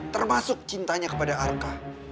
termasuk cintanya kepada arka